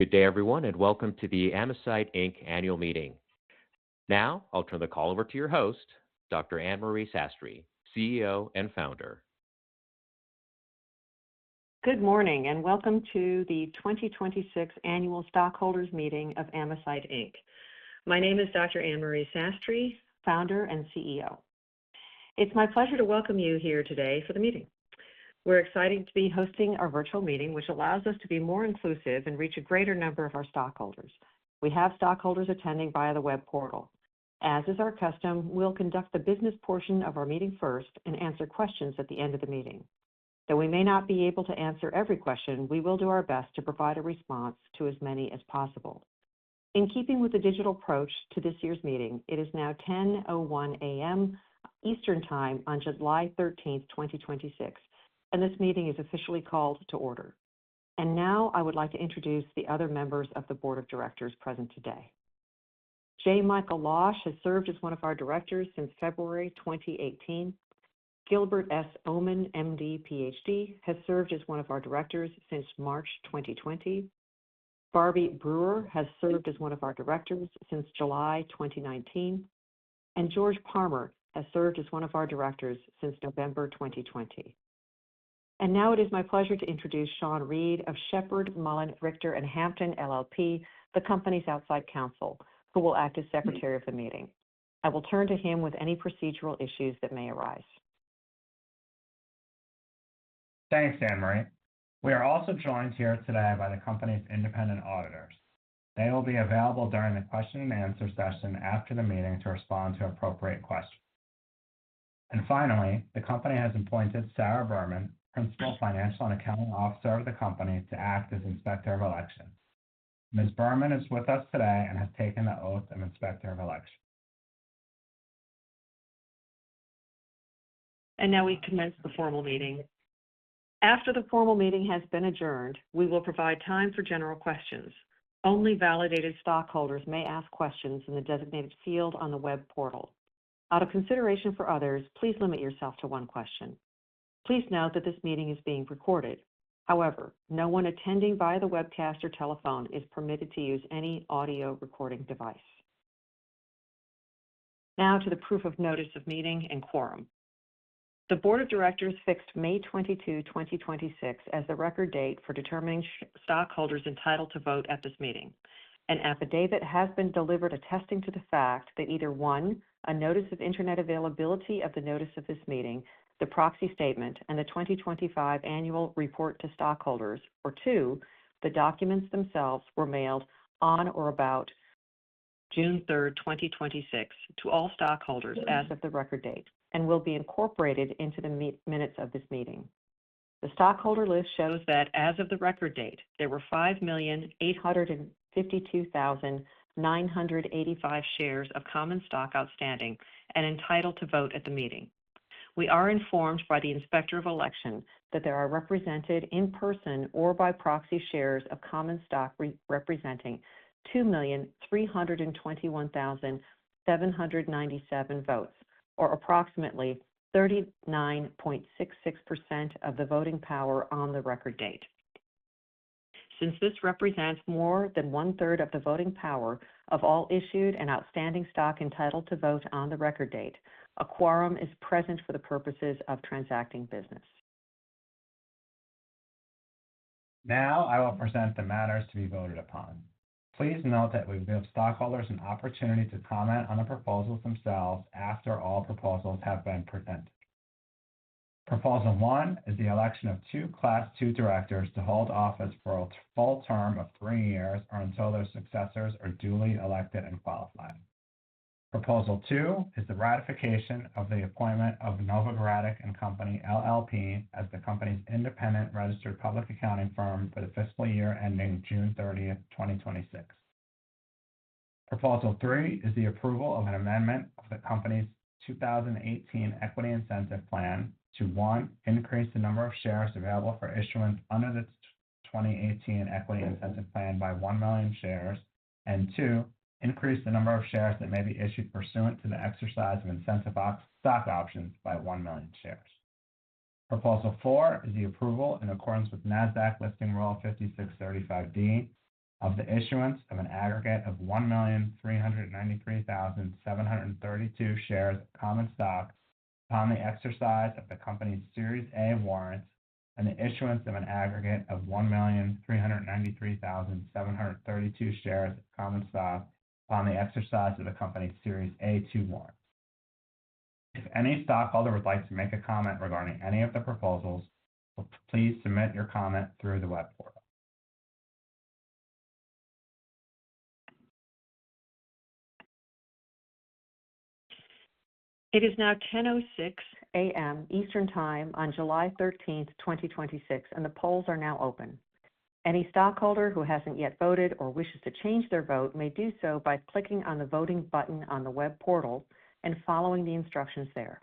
Good day, everyone, welcome to the Amesite Inc. annual meeting. I'll turn the call over to your host, Dr. Ann Marie Sastry, CEO and Founder. Good morning, welcome to the 2026 annual stockholders meeting of Amesite Inc. My name is Dr. Ann Marie Sastry, Founder and CEO. It's my pleasure to welcome you here today for the meeting. We're excited to be hosting our virtual meeting, which allows us to be more inclusive and reach a greater number of our stockholders. We have stockholders attending via the web portal. As is our custom, we'll conduct the business portion of our meeting first and answer questions at the end of the meeting. Though we may not be able to answer every question, we will do our best to provide a response to as many as possible. In keeping with the digital approach to this year's meeting, it is now 10:01 A.M. Eastern Time on July 13th, 2026, this meeting is officially called to order. Now I would like to introduce the other members of the Board of Directors present today. J. Michael Losh has served as one of our directors since February 2018. Gilbert S. Omenn, MD, PhD, has served as one of our directors since March 2020. Barbie Brewer has served as one of our directors since July 2019, George Parmer has served as one of our directors since November 2020. Now it is my pleasure to introduce Sean Reid of Sheppard, Mullin, Richter & Hampton LLP, the company's outside counsel, who will act as secretary of the meeting. I will turn to him with any procedural issues that may arise. Thanks, Ann Marie. We are also joined here today by the company's independent auditors. They will be available during the question and answer session after the meeting to respond to appropriate questions. Finally, the company has appointed Sarah Berman, Principal Financial and Accounting Officer of the company, to act as Inspector of Elections. Ms. Berman is with us today and has taken the oath of Inspector of Election. Now we commence the formal meeting. After the formal meeting has been adjourned, we will provide time for general questions. Only validated stockholders may ask questions in the designated field on the web portal. Out of consideration for others, please limit yourself to one question. Please note that this meeting is being recorded. However, no one attending via the webcast or telephone is permitted to use any audio recording device. Now to the proof of notice of meeting and quorum. The board of directors fixed May 22, 2026, as the record date for determining stockholders entitled to vote at this meeting. An affidavit has been delivered attesting to the fact that either, one, a notice of internet availability of the notice of this meeting, the proxy statement, and the 2025 annual report to stockholders, or two, the documents themselves were mailed on or about June 3rd, 2026, to all stockholders as of the record date and will be incorporated into the minutes of this meeting. The stockholder list shows that as of the record date, there were 5,852,985 shares of common stock outstanding and entitled to vote at the meeting. We are informed by the Inspector of Election that there are represented in person or by proxy shares of common stock representing 2,321,797 votes, or approximately 39.66% of the voting power on the record date. Since this represents more than one-third of the voting power of all issued and outstanding stock entitled to vote on the record date, a quorum is present for the purposes of transacting business. Now I will present the matters to be voted upon. Please note that we give stockholders an opportunity to comment on the proposals themselves after all proposals have been presented. Proposal one is the election of 2 Class II directors to hold office for a full term of three years or until their successors are duly elected and qualified. Proposal two is the ratification of the appointment of Novogradac & Company LLP as the company's independent registered public accounting firm for the fiscal year ending June 30th, 2026. Proposal three is the approval of an amendment of the company's 2018 Equity Incentive Plan to, one, increase the number of shares available for issuance under the 2018 Equity Incentive Plan by 1 million shares, and two, increase the number of shares that may be issued pursuant to the exercise of incentive stock options by 1 million shares. Proposal four is the approval in accordance with Nasdaq Listing Rule 5635(d) of the issuance of an aggregate of 1,393,732 shares of common stock upon the exercise of the company's Series A warrants and the issuance of an aggregate of 1,393,732 shares of common stock upon the exercise of the company's Series A-2 warrants. If any stockholder would like to make a comment regarding any of the proposals, please submit your comment through the web portal. It is now 10:06 A.M. Eastern Time on July 13th, 2026, and the polls are now open. Any stockholder who hasn't yet voted or wishes to change their vote may do so by clicking on the voting button on the web portal and following the instructions there.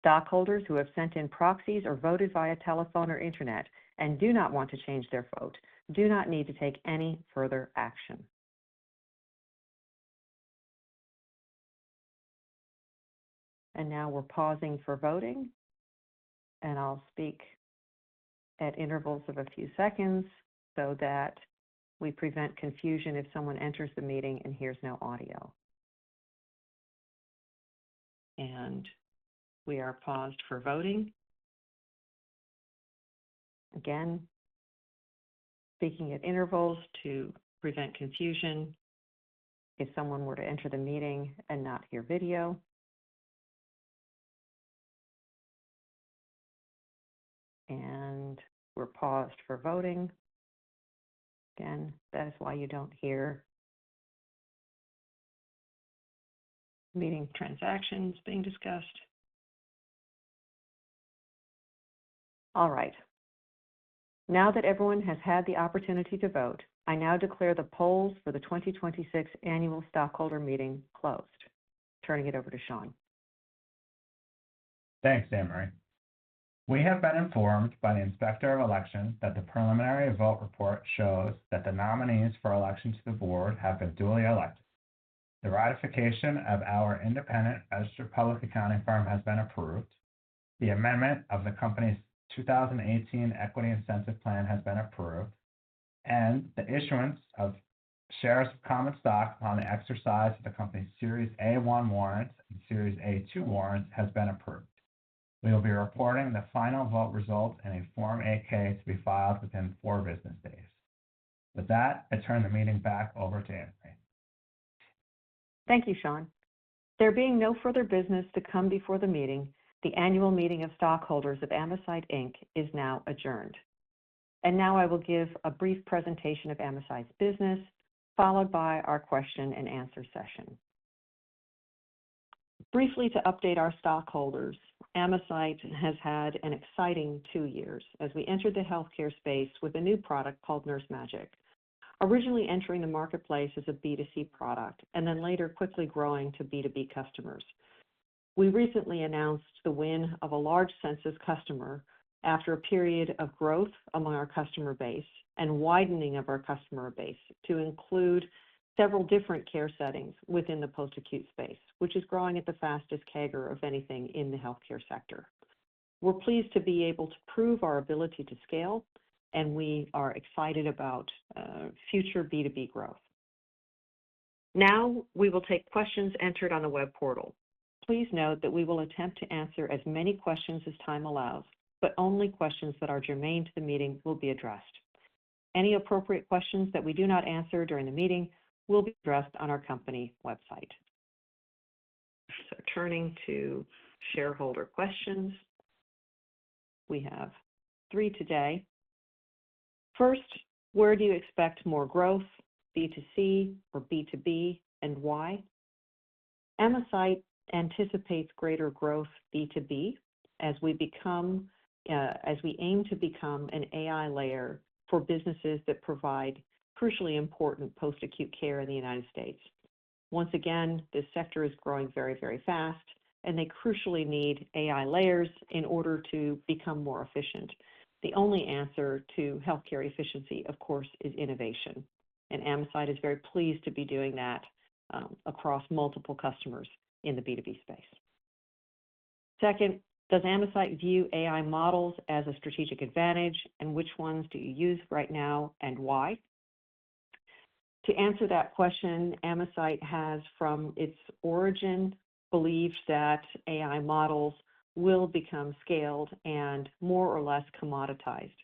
Stockholders who have sent in proxies or voted via telephone or internet and do not want to change their vote do not need to take any further action. Now we're pausing for voting, and I'll speak at intervals of a few seconds so that we prevent confusion if someone enters the meeting and hears no audio. We are paused for voting. Again, speaking at intervals to prevent confusion if someone were to enter the meeting and not hear video. We're paused for voting. Again, that is why you don't hear meeting transactions being discussed. All right. Now that everyone has had the opportunity to vote, I now declare the polls for the 2026 annual stockholder meeting closed. Turning it over to Sean. Thanks, Ann Marie. We have been informed by the Inspector of Elections that the preliminary vote report shows that the nominees for election to the board have been duly elected. The ratification of our independent registered public accounting firm has been approved. The amendment of the company's 2018 Equity Incentive Plan has been approved, and the issuance of shares of common stock on the exercise of the company's Series A-1 warrants and Series A-2 warrants has been approved. We will be reporting the final vote result in a Form 8-K to be filed within four business days. With that, I turn the meeting back over to Ann Marie. Thank you, Sean. There being no further business to come before the meeting, the annual meeting of stockholders of Amesite Inc. is now adjourned. Now I will give a brief presentation of Amesite's business, followed by our question and answer session. Briefly to update our stockholders, Amesite has had an exciting two years as we entered the healthcare space with a new product called NurseMagic. Originally entering the marketplace as a B2C product and then later quickly growing to B2B customers. We recently announced the win of a large census customer after a period of growth among our customer base and widening of our customer base to include several different care settings within the post-acute space, which is growing at the fastest CAGR of anything in the healthcare sector. We're pleased to be able to prove our ability to scale, and we are excited about future B2B growth. Now, we will take questions entered on the web portal. Please note that we will attempt to answer as many questions as time allows, but only questions that are germane to the meeting will be addressed. Any appropriate questions that we do not answer during the meeting will be addressed on our company website. Turning to shareholder questions. We have three today. First, where do you expect more growth, B2C or B2B, and why? Amesite anticipates greater growth B2B as we aim to become an AI layer for businesses that provide crucially important post-acute care in the United States. Once again, this sector is growing very, very fast, and they crucially need AI layers in order to become more efficient. The only answer to healthcare efficiency, of course, is innovation, and Amesite is very pleased to be doing that across multiple customers in the B2B space. Second, does Amesite view AI models as a strategic advantage, and which ones do you use right now and why? To answer that question, Amesite has, from its origin, believed that AI models will become scaled and more or less commoditized.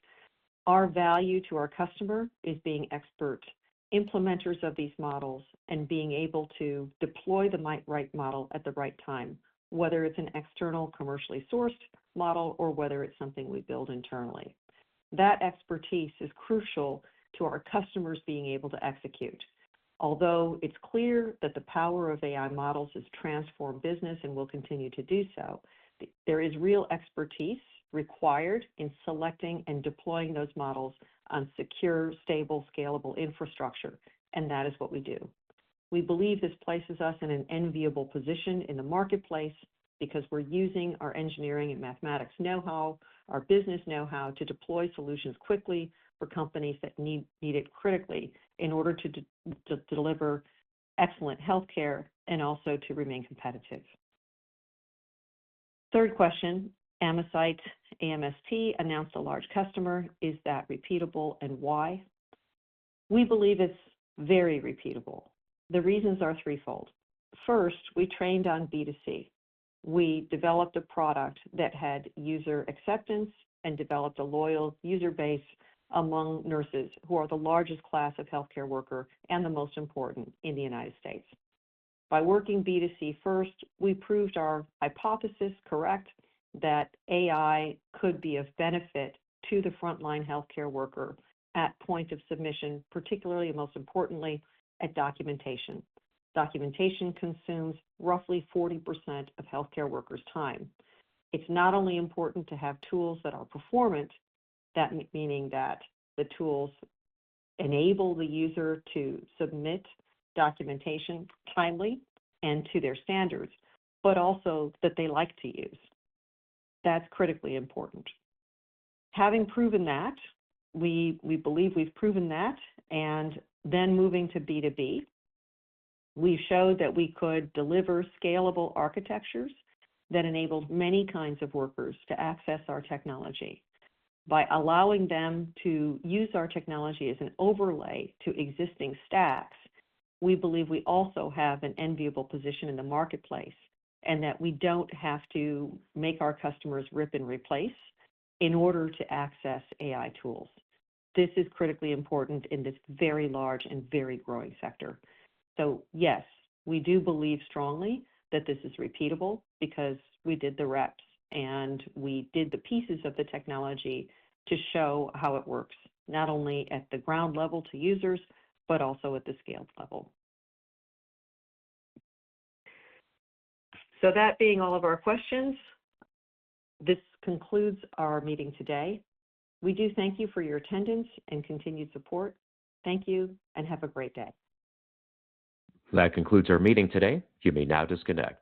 Our value to our customer is being expert implementers of these models and being able to deploy the right model at the right time, whether it's an external commercially sourced model or whether it's something we build internally. That expertise is crucial to our customers being able to execute. Although it's clear that the power of AI models has transformed business and will continue to do so, there is real expertise required in selecting and deploying those models on secure, stable, scalable infrastructure, and that is what we do. We believe this places us in an enviable position in the marketplace because we're using our engineering and mathematics know-how, our business know-how to deploy solutions quickly for companies that need it critically in order to deliver excellent healthcare and also to remain competitive. Third question. Amesite, AMST, announced a large customer. Is that repeatable and why? We believe it's very repeatable. The reasons are threefold. First, we trained on B2C. We developed a product that had user acceptance and developed a loyal user base among nurses, who are the largest class of healthcare worker and the most important in the United States. By working B2C first, we proved our hypothesis correct that AI could be of benefit to the frontline healthcare worker at point of submission, particularly, and most importantly, at documentation. Documentation consumes roughly 40% of healthcare workers' time. It's not only important to have tools that are performant, meaning that the tools enable the user to submit documentation timely and to their standards, but also that they like to use. That's critically important. Having proven that, we believe we've proven that. Moving to B2B, we've showed that we could deliver scalable architectures that enabled many kinds of workers to access our technology. By allowing them to use our technology as an overlay to existing stacks, we believe we also have an enviable position in the marketplace, and that we don't have to make our customers rip and replace in order to access AI tools. This is critically important in this very large and very growing sector. Yes, we do believe strongly that this is repeatable because we did the reps, and we did the pieces of the technology to show how it works, not only at the ground level to users, but also at the scaled level. That being all of our questions, this concludes our meeting today. We do thank you for your attendance and continued support. Thank you, and have a great day. That concludes our meeting today. You may now disconnect.